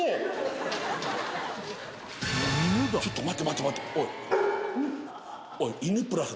ちょっと待って待っておい。